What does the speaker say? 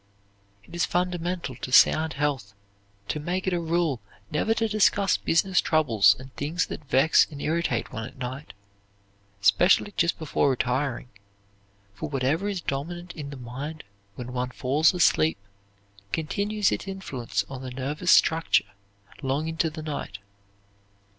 It is fundamental to sound health to make it a rule never to discuss business troubles and things that vex and irritate one at night, especially just before retiring, for whatever is dominant in the mind when one falls asleep continues its influence on the nervous structure long into the night.